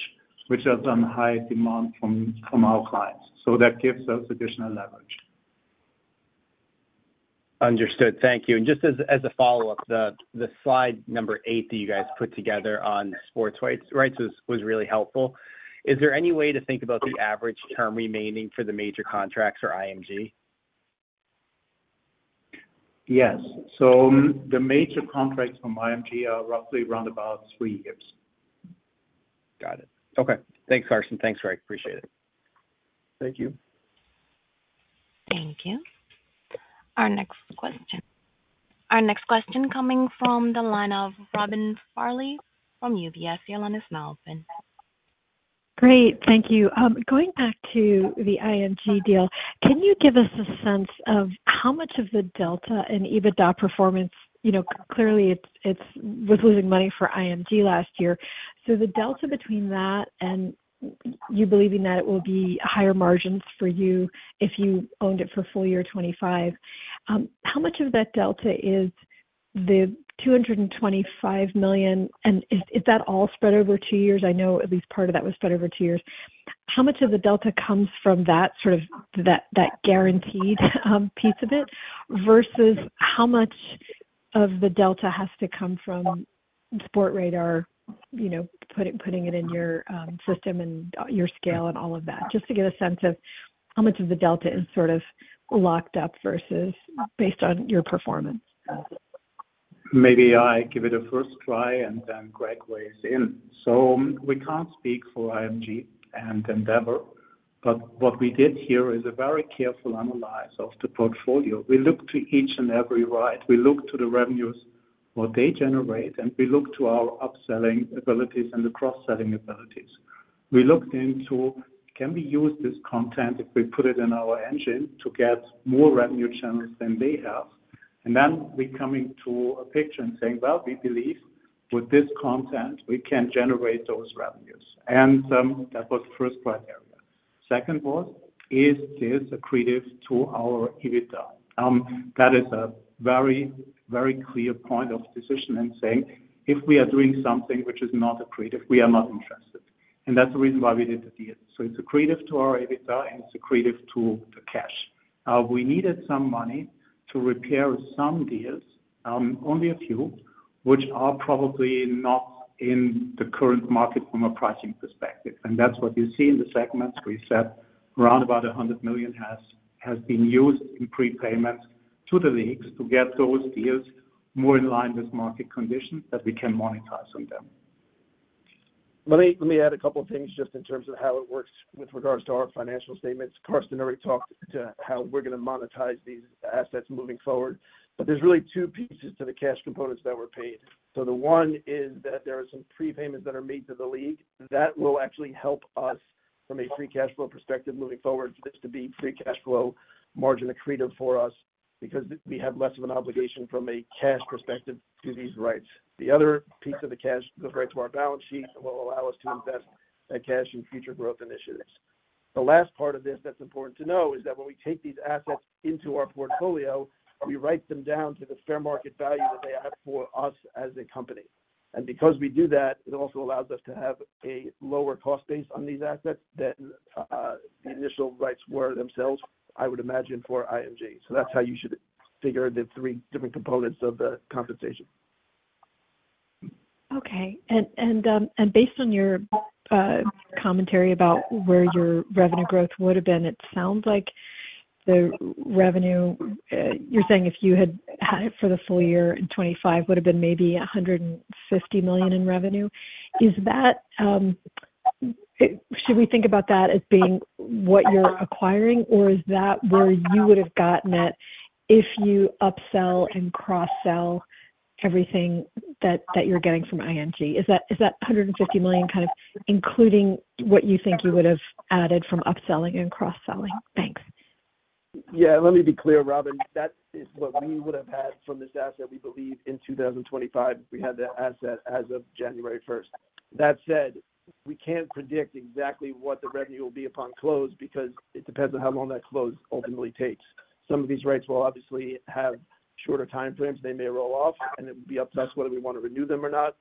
which is on high demand from our clients. That gives us additional leverage. Understood. Thank you. Just as a follow-up, the slide number eight that you guys put together on sports rights was really helpful. Is there any way to think about the average term remaining for the major contracts or IMG? Yes. The major contracts from IMG are roughly around about three years. Got it. Okay. Thanks, Carsten. Thanks, Craig. Appreciate it. Thank you. Thank you. Our next question. Our next question coming from the line of Robin Farley from UBS, your line is now open. Great. Thank you. Going back to the IMG deal, can you give us a sense of how much of the delta in EBITDA performance? Clearly, it was losing money for IMG last year. The delta between that and you believing that it will be higher margins for you if you owned it for full year 2025, how much of that delta is the $225 million? Is that all spread over two years? I know at least part of that was spread over two years. How much of the delta comes from that sort of that guaranteed piece of it versus how much of the delta has to come from Sportradar, putting it in your system and your scale and all of that? Just to get a sense of how much of the delta is sort of locked up versus based on your performance. Maybe I give it a first try and then Craig weighs in. We can't speak for IMG Arena and Endeavor, but what we did here is a very careful analysis of the portfolio. We looked to each and every right. We looked to the revenues what they generate, and we looked to our upselling abilities and the cross-selling abilities. We looked into can we use this content if we put it in our engine to get more revenue channels than they have? We are coming to a picture and saying, "Well, we believe with this content, we can generate those revenues." That was the first criteria. Second was, is this accretive to our EBITDA? That is a very, very clear point of decision in saying if we are doing something which is not accretive, we are not interested. That is the reason why we did the deal. It is accretive to our EBITDA, and it is accretive to the cash. We needed some money to repair some deals, only a few, which are probably not in the current market from a pricing perspective. That is what you see in the segments where you said around about $100 million has been used in prepayments to the leagues to get those deals more in line with market conditions that we can monetize on them. Let me add a couple of things just in terms of how it works with regards to our financial statements. Carsten already talked to how we're going to monetize these assets moving forward. There are really two pieces to the cash components that were paid. One is that there are some prepayments that are made to the league that will actually help us from a free cash flow perspective moving forward for this to be free cash flow margin accretive for us because we have less of an obligation from a cash perspective to these rights. The other piece of the cash goes right to our balance sheet and will allow us to invest that cash in future growth initiatives. The last part of this that's important to know is that when we take these assets into our portfolio, we write them down to the fair market value that they have for us as a company. Because we do that, it also allows us to have a lower cost base on these assets than the initial rights were themselves, I would imagine, for IMG. That is how you should figure the three different components of the compensation. Okay. Based on your commentary about where your revenue growth would have been, it sounds like the revenue you're saying if you had had it for the full year in 2025 would have been maybe $150 million in revenue. Should we think about that as being what you're acquiring, or is that where you would have gotten it if you upsell and cross-sell everything that you're getting from IMG? Is that $150 million kind of including what you think you would have added from upselling and cross-selling? Thanks. Yeah. Let me be clear, Robin. That is what we would have had from this asset, we believe, in 2025 if we had that asset as of January 1. That said, we can't predict exactly what the revenue will be upon close because it depends on how long that close ultimately takes. Some of these rights will obviously have shorter time frames. They may roll off, and it will be up to us whether we want to renew them or not.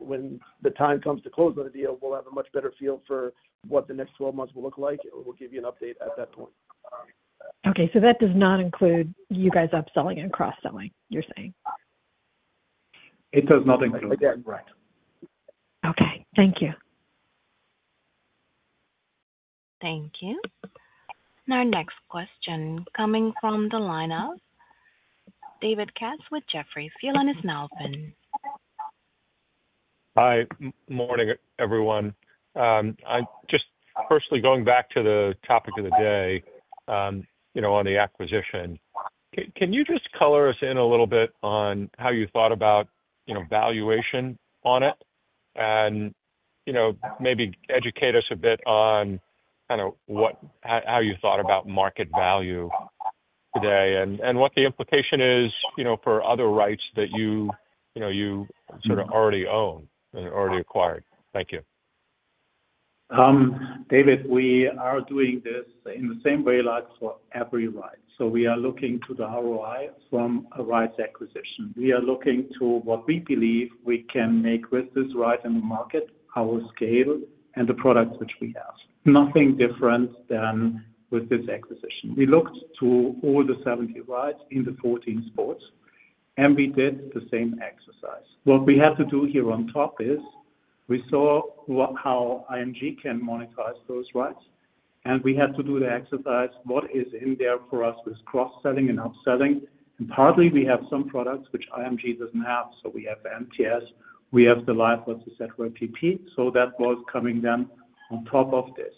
When the time comes to close on the deal, we'll have a much better feel for what the next 12 months will look like, and we'll give you an update at that point. Okay. So that does not include you guys upselling and cross-selling, you're saying? It does not include that. Correct. Okay. Thank you. Thank you. Our next question coming from the line of David Katz with Jefferies. Hi. Morning, everyone. Just personally going back to the topic of the day on the acquisition, can you just color us in a little bit on how you thought about valuation on it and maybe educate us a bit on kind of how you thought about market value today and what the implication is for other rights that you sort of already own and already acquired? Thank you. David, we are doing this in the same way like for every right. We are looking to the ROI from a rights acquisition. We are looking to what we believe we can make with this right in the market, our scale, and the products which we have. Nothing different than with this acquisition. We looked to all the 70 rights in the 14 sports, and we did the same exercise. What we had to do here on top is we saw how IMG can monetize those rights, and we had to do the exercise. What is in there for us with cross-selling and upselling? And partly, we have some products which IMG does not have. So we have the MTS. We have the live versus set RTP. So that was coming then on top of this.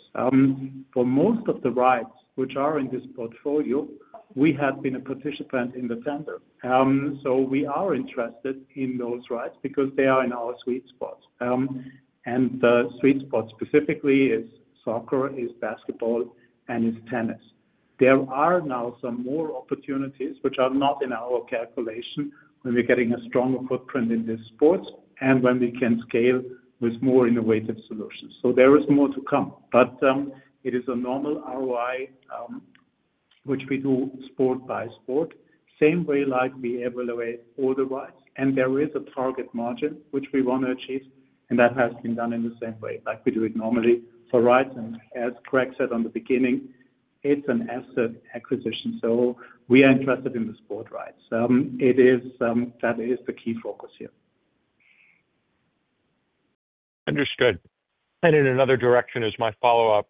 For most of the rights which are in this portfolio, we have been a participant in the tender. We are interested in those rights because they are in our sweet spot. The sweet spot specifically is soccer, is basketball, and is tennis. There are now some more opportunities which are not in our calculation when we're getting a stronger footprint in this sport and when we can scale with more innovative solutions. There is more to come. It is a normal ROI which we do sport by sport, same way like we evaluate all the rights. There is a target margin which we want to achieve, and that has been done in the same way like we do it normally for rights. As Craig said at the beginning, it's an asset acquisition. We are interested in the sport rights. That is the key focus here. Understood. In another direction is my follow-up.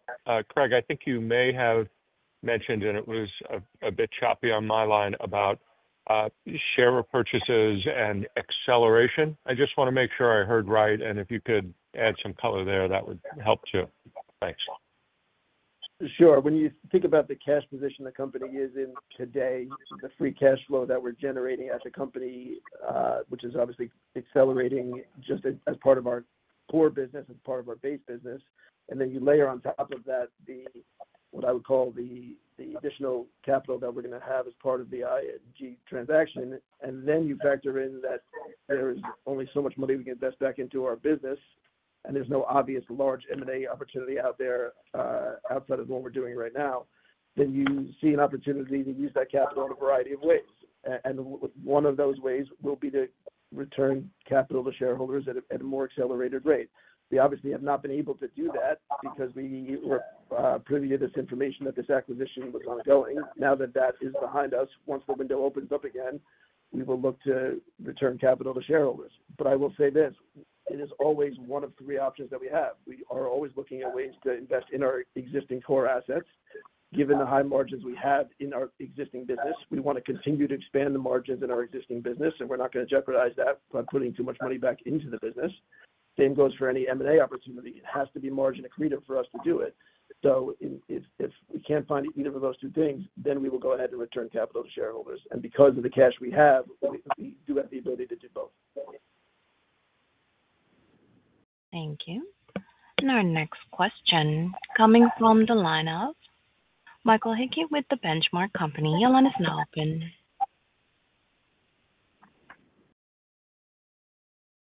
Craig, I think you may have mentioned, and it was a bit choppy on my line about share purchases and acceleration. I just want to make sure I heard right. If you could add some color there, that would help too. Thanks. Sure. When you think about the cash position the company is in today, the free cash flow that we're generating as a company, which is obviously accelerating just as part of our core business, as part of our base business. You layer on top of that what I would call the additional capital that we're going to have as part of the IMG Arena transaction. You factor in that there is only so much money we can invest back into our business, and there's no obvious large M&A opportunity out there outside of what we're doing right now. You see an opportunity to use that capital in a variety of ways. One of those ways will be to return capital to shareholders at a more accelerated rate. We obviously have not been able to do that because we were privy to this information that this acquisition was ongoing. Now that that is behind us, once the window opens up again, we will look to return capital to shareholders. I will say this. It is always one of three options that we have. We are always looking at ways to invest in our existing core assets. Given the high margins we have in our existing business, we want to continue to expand the margins in our existing business, and we're not going to jeopardize that by putting too much money back into the business. The same goes for any M&A opportunity. It has to be margin accretive for us to do it. If we can't find either of those two things, then we will go ahead and return capital to shareholders. Because of the cash we have, we do have the ability to do both. Thank you. Our next question coming from the line of Michael Hickey with The Benchmark Company, your line is now open.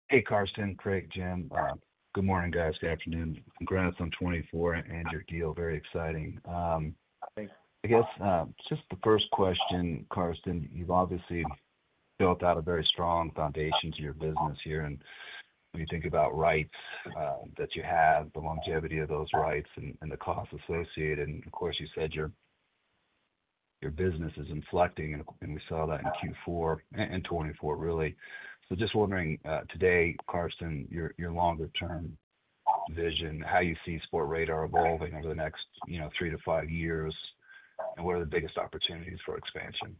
Hey, Carsten, Craig, Jim. Good morning, guys. Good afternoon. Congrats on 2024, and your deal is very exciting. I guess just the first question, Carsten, you've obviously built out a very strong foundation to your business here. When you think about rights that you have, the longevity of those rights and the cost associated, and of course, you said your business is inflecting, and we saw that in Q4 and 2024, really. Just wondering today, Carsten, your longer-term vision, how you see Sportradar evolving over the next three to five years, and what are the biggest opportunities for expansion.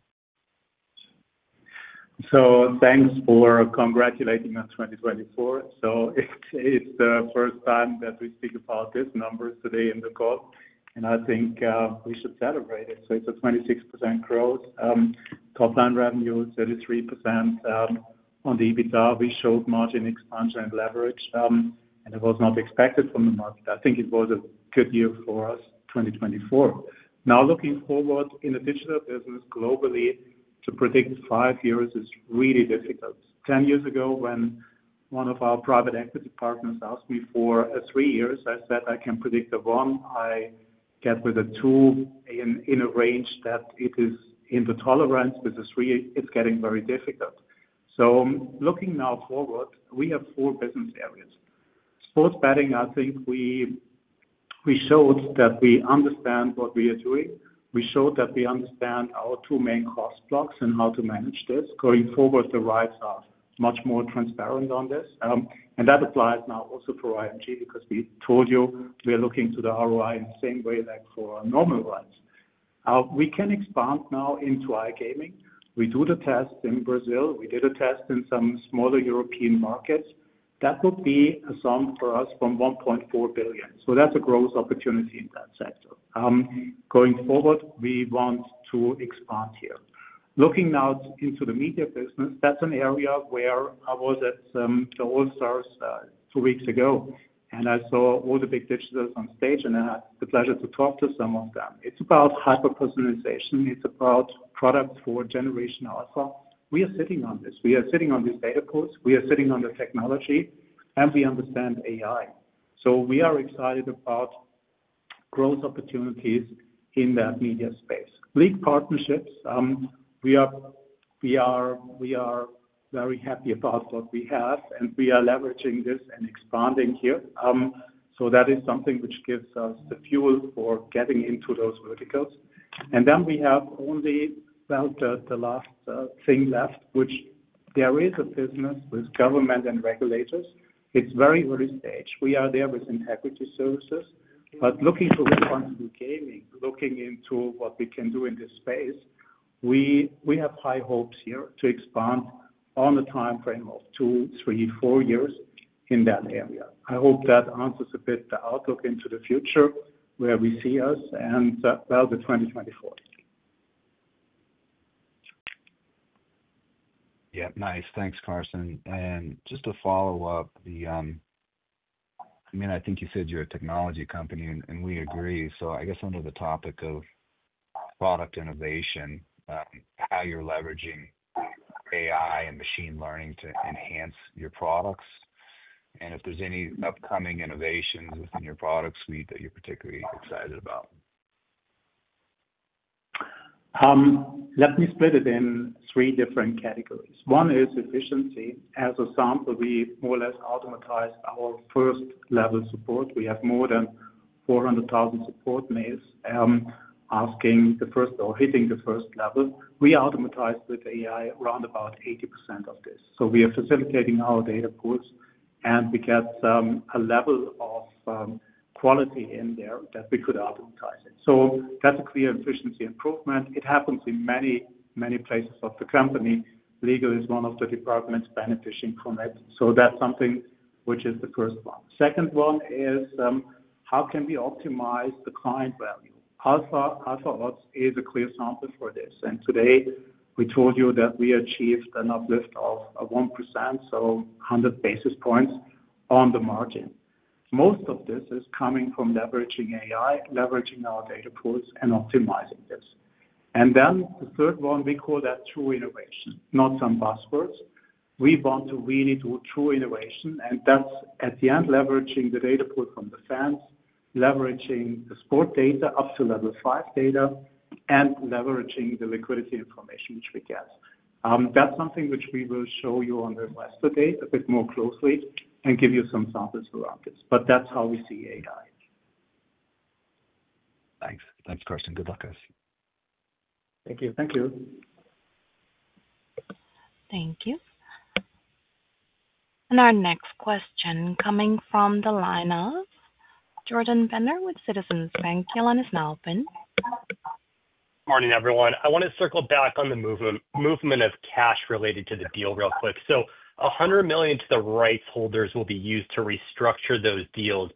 Thanks for congratulating on 2024. It is the first time that we speak about these numbers today in the call, and I think we should celebrate it. It is a 26% growth. Top line revenue is 33% on the EBITDA. We showed margin expansion and leverage, and it was not expected from the market. I think it was a good year for us, 2024. Now, looking forward in the digital business globally, to predict five years is really difficult. Ten years ago, when one of our private equity partners asked me for three years, I said I can predict a one. I get with a two in a range that it is in the tolerance with the three. It is getting very difficult. Looking now forward, we have four business areas. Sports betting, I think we showed that we understand what we are doing. We showed that we understand our two main cost blocks and how to manage this. Going forward, the rights are much more transparent on this. That applies now also for IMG because we told you we are looking to the ROI in the same way like for normal rights. We can expand now into iGaming. We do the tests in Brazil. We did a test in some smaller European markets. That would be a sum for us from 1.4 billion. That is a growth opportunity in that sector. Going forward, we want to expand here. Looking now into the media business, that is an area where I was at the All Stars two weeks ago, and I saw all the big digitals on stage, and I had the pleasure to talk to some of them. It is about hyper-personalization. It is about products for a Generation Alpha. We are sitting on this. We are sitting on these data pools. We are sitting on the technology, and we understand AI. We are excited about growth opportunities in that media space. League partnerships, we are very happy about what we have, and we are leveraging this and expanding here. That is something which gives us the fuel for getting into those verticals. We have only the last thing left, which there is a business with government and regulators. It is very early stage. We are there with integrity services. Looking to respond to gaming, looking into what we can do in this space, we have high hopes here to expand on a time frame of two, three, four years in that area. I hope that answers a bit the outlook into the future where we see us and the 2024. Yeah. Nice. Thanks, Carsten. Just to follow up, I mean, I think you said you're a technology company, and we agree. I guess under the topic of product innovation, how you're leveraging AI and machine learning to enhance your products and if there's any upcoming innovations within your product suite that you're particularly excited about. Let me split it in three different categories. One is efficiency. As a sample, we more or less automatized our first-level support. We have more than 400,000 support mails asking the first or hitting the first level. We automatized with AI around about 80% of this. We are facilitating our data pools, and we get a level of quality in there that we could automatize it. That's a clear efficiency improvement. It happens in many, many places of the company. Legal is one of the departments benefiting from it. That is something which is the first one. The second one is how can we optimize the client value? AlphaOps is a clear sample for this. Today, we told you that we achieved an uplift of 1%, so 100 basis points on the margin. Most of this is coming from leveraging AI, leveraging our data pools, and optimizing this. The third one, we call that true innovation, not some buzzwords. We want to really do true innovation, and that is at the end leveraging the data pool from the fans, leveraging the sport data up to level five data, and leveraging the liquidity information which we get. That is something which we will show you on the investor date a bit more closely and give you some samples around this. That is how we see AI. Thanks. Thanks, Carsten. Good luck, guys. Thank you. Thank you. Thank you. Our next question coming from the line of Jordan Bender with Citizens Bank, your line is now open. Morning, everyone. I want to circle back on the movement of cash related to the deal real quick. $100 million to the rights holders will be used to restructure those deals.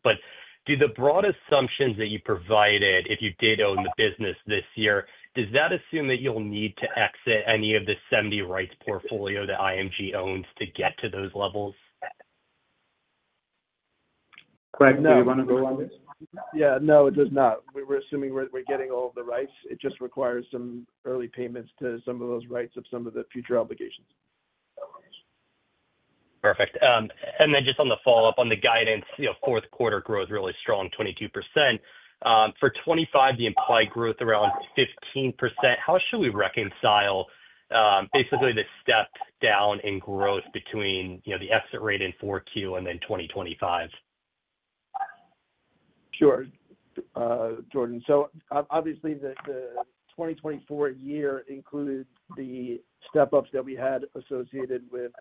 Do the broad assumptions that you provided, if you did own the business this year, does that assume that you'll need to exit any of the 70 rights portfolio that IMG owns to get to those levels? Craig, do you want to go on this? Yeah. No, it does not. We're assuming we're getting all of the rights. It just requires some early payments to some of those rights of some of the future obligations. Perfect. And then just on the follow-up on the guidance, fourth quarter growth really strong, 22%. For 2025, the implied growth around 15%. How should we reconcile basically the step down in growth between the exit rate in Q4 and then 2025? Sure, Jordan. Obviously, the 2024 year included the step-ups that we had associated with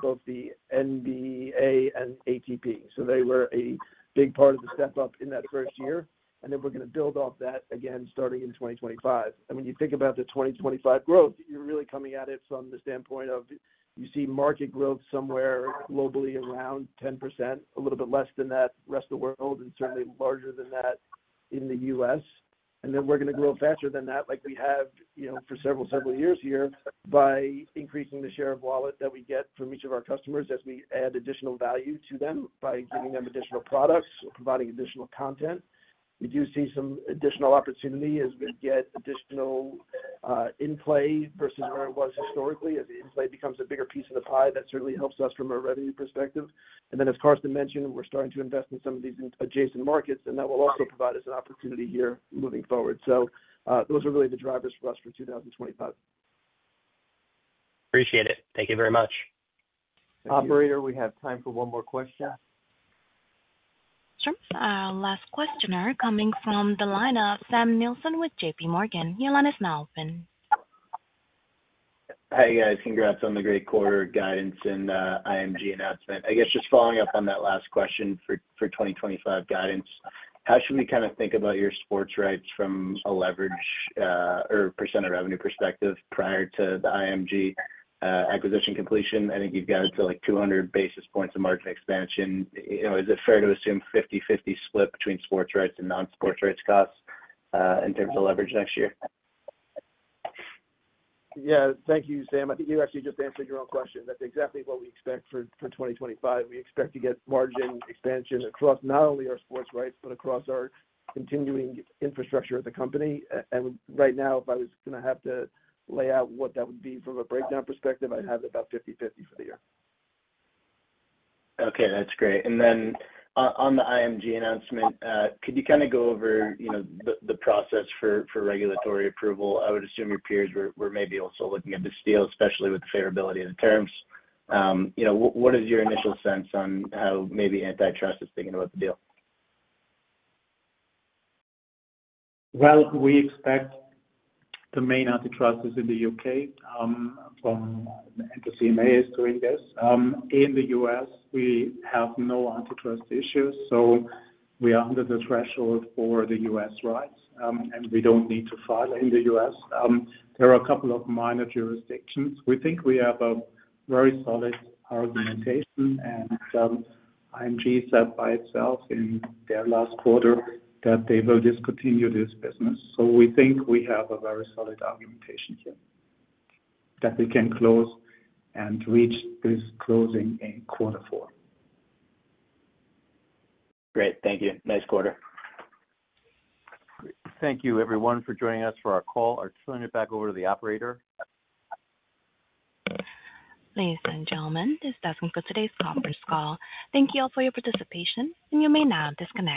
both the NBA and ATP. They were a big part of the step-up in that first year. We are going to build off that again starting in 2025. When you think about the 2025 growth, you are really coming at it from the standpoint of you see market growth somewhere globally around 10%, a little bit less than that rest of the world, and certainly larger than that in the US. We're going to grow faster than that like we have for several, several years here by increasing the share of wallet that we get from each of our customers as we add additional value to them by giving them additional products or providing additional content. We do see some additional opportunity as we get additional in play versus where it was historically. As in play becomes a bigger piece of the pie, that certainly helps us from a revenue perspective. As Carsten mentioned, we're starting to invest in some of these adjacent markets, and that will also provide us an opportunity here moving forward. Those are really the drivers for us for 2025. Appreciate it. Thank you very much. Operator, we have time for one more question. Sure. Last questioner coming from the line of Sam Nielsen with JPMorgan, your line is now open. Hey, guys. Congrats on the great quarter guidance and IMG announcement. I guess just following up on that last question for 2025 guidance, how should we kind of think about your sports rights from a leverage or percent of revenue perspective prior to the IMG acquisition completion? I think you've got it to like 200 basis points of margin expansion. Is it fair to assume 50/50 split between sports rights and non-sports rights costs in terms of leverage next year? Yeah. Thank you, Sam. I think you actually just answered your own question. That's exactly what we expect for 2025. We expect to get margin expansion across not only our sports rights, but across our continuing infrastructure as a company. And right now, if I was going to have to lay out what that would be from a breakdown perspective, I'd have it about 50/50 for the year. Okay. That's great. On the IMG announcement, could you kind of go over the process for regulatory approval? I would assume your peers were maybe also looking at this deal, especially with the favorability of the terms. What is your initial sense on how maybe antitrust is thinking about the deal? We expect the main antitrust is in the U.K. from the CMA is doing this. In the U.S., we have no antitrust issues, so we are under the threshold for the U.S. rights, and we do not need to file in the U.S. There are a couple of minor jurisdictions. We think we have a very solid argumentation, and IMG said by itself in their last quarter that they will discontinue this business. We think we have a very solid argumentation here that we can close and reach this closing in quarter four. Great. Thank you. Nice quarter. Thank you, everyone, for joining us for our call. I'll turn it back over to the operator. Ladies and gentlemen, this does conclude today's conference call. Thank you all for your participation, and you may now disconnect.